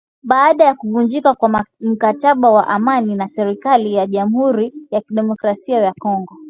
Baada ya kuvunjika kwa mkataba wa amani na serikali ya Jamhuri ya kidemokrasia ya Kongo.